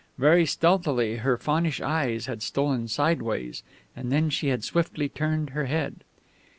Very stealthily her faunish eyes had stolen sideways, and then she had swiftly turned her head.